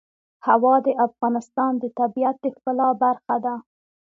هوا د افغانستان د طبیعت د ښکلا برخه ده.